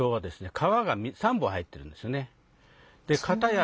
川が３本入ってるんですよね。